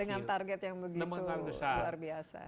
dengan target yang begitu luar biasa